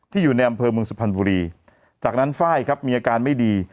อยู่ในอำเภอเมืองสุพรรณบุรีจากนั้นไฟล์ครับมีอาการไม่ดี